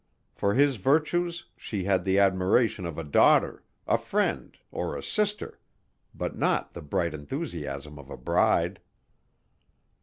For his virtues she had the admiration of a daughter, a friend or a sister but not the bright enthusiasm of a bride.